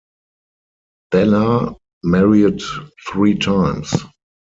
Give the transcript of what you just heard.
Ballard married three times.